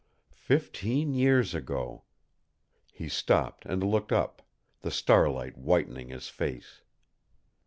Fifteen years ago! He stopped and looked up, the starlight whitening his face.